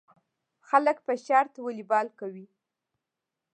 خلک په شرط والیبال کوي.